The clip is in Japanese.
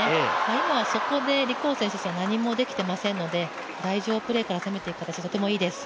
今は、そこで李皓晴選手は何もできていませんので台上プレーから攻めていく形、とてもいいです。